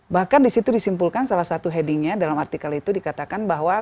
bahkan disitu disimpulkan salah satu headingnya dalam artikel itu dikatakan bahwa